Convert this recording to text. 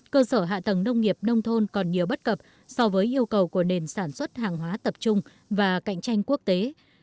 cơ sở hạ tầng nông nghiệp nông thôn còn nhiều bất cập so với yêu cầu của nền sản xuất hàng hóa tập trung và cạnh tranh quốc tế